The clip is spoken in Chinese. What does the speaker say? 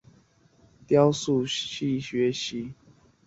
到法国高级美术学院雕塑系学习。